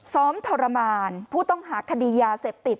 ทรมานผู้ต้องหาคดียาเสพติด